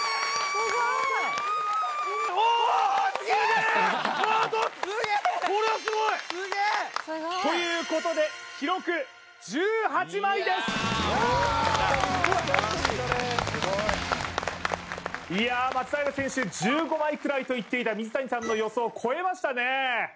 すげえすげえということで記録１８枚ですいや松平選手１５枚くらいと言っていた水谷さんの予想を超えましたね